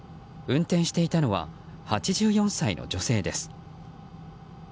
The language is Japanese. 運転していたのは８４歳の女性です。